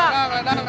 kelapa kelapa kelapa